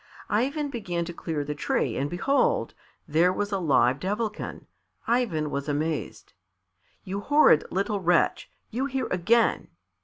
Ivan began to clear the tree and behold! there was a live Devilkin. Ivan was amazed. "You horrid little wretch! You here again!"